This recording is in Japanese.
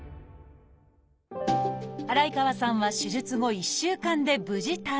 祓川さんは手術後１週間で無事退院。